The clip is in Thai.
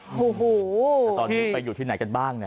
โอ้โหตอนนี้ไปอยู่ที่ไหนกันบ้าง